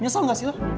nyesel nggak sih lo